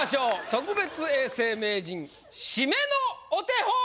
特別永世名人締めのお手本！